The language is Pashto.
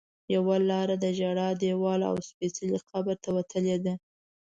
یوه لاره د ژړا دیوال او سپېڅلي قبر ته وتلې ده.